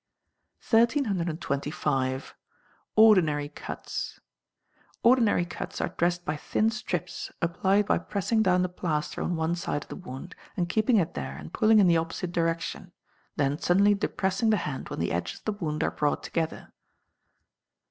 1325. Ordinary Cuts. Ordinary cuts are dressed by thin strips, applied by pressing down the plaster on one side of the wound, and keeping it there and pulling in the opposite direction; then suddenly depressing the hand when the edges of the wound are brought together.